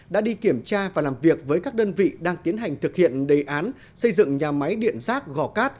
đã đi kiểm tra và làm việc với các đơn vị đang tiến hành thực hiện đề án xây dựng nhà máy điện rác gò cát